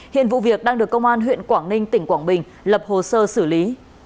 hiện vụ việc đang được công an huyện quảng ninh tỉnh quảng bình lập hồ sơ xử lý